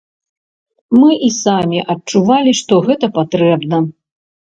Мы і самі адчувалі, што гэта патрэбна.